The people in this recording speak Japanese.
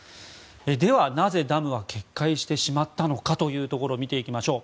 では、なぜダムは決壊してしまったのかというところ見てきましょう。